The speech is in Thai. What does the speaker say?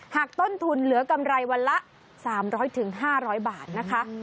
ต้นทุนเหลือกำไรวันละ๓๐๐๕๐๐บาทนะคะ